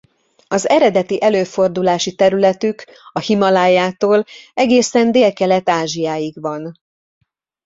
Az eredeti előfordulási területük a Himalájától egészen Délkelet-Ázsiáig van.